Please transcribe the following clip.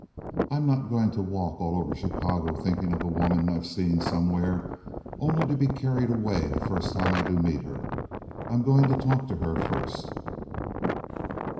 "I'm not going to walk all over Chicago thinking of a woman I've seen somewhere only to be carried away the first time I do meet her. I'm going to talk to her first."